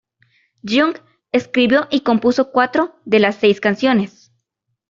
Jung escribió y compuso cuatro de las seis canciones.